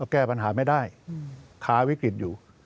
แก้ปัญหาไม่ได้ค้าวิกฤตอยู่